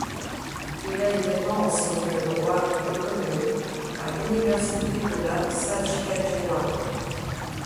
Il a également enseigné le droit et l'économie à l'Université de la Saskatchewan.